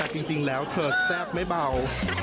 จริงแล้วเธอแซ่บไม่เบา